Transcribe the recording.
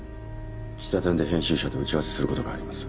喫茶店で編集者と打ち合わせすることがあります。